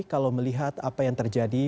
kalau melihat apa yang terjadi